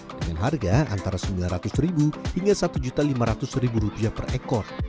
dengan harga antara sembilan ratus ribu hingga satu juta lima ratus ribu rupiah per ekor